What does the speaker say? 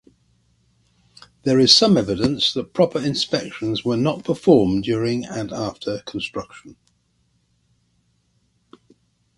There is some evidence that proper inspections were not performed during and after construction.